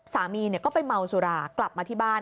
สามีก็ไปเมาสุรากลับมาที่บ้าน